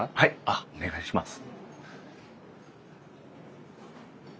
あっお願いします。